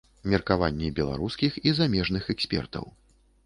Меркаванні беларускіх і замежных экспертаў.